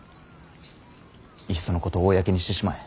いっそのこと公にしてしまえ。